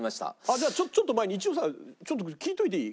じゃあちょっと前に一応さちょっと聞いといていい？